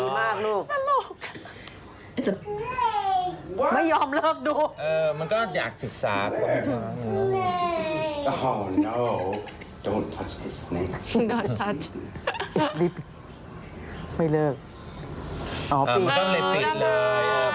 หรือใหญ่สเนคกันใหญ่สเนคสเนค